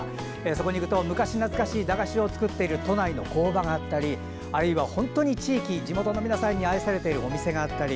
そこにいると昔なつかしの都内の工場があったりあるいは本当に地元の皆さんに愛されているお店があったり